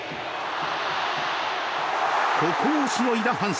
ここをしのいだ阪神。